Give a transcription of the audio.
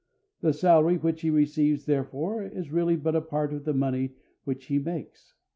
The salary which he receives, therefore, is really but a part of the money which he makes.